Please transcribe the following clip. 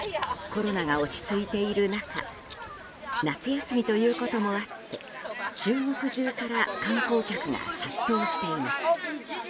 コロナが落ち着いている中夏休みということもあって中国中から観光客が殺到しています。